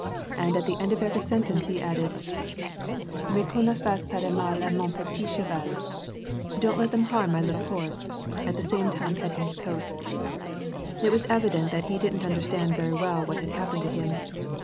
And at the end of every sentence, he added: ^^ Mais qu^on ne fasse pas de m al a mon ])etit cheval /— don't let them harm my little horse!" at the same time patting his coat. It was evident that he didn't understand very well what had happened to him.